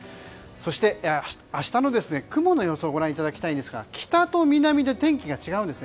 そして、明日の雲の様子をご覧いただきますと北と南で天気が違うんです。